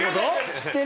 知ってる？